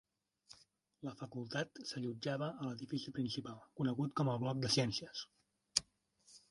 La facultat s'allotjava a l'edifici principal, conegut com el "bloc de ciències".